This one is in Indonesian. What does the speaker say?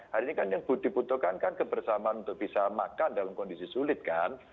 hari ini kan yang dibutuhkan kan kebersamaan untuk bisa makan dalam kondisi sulit kan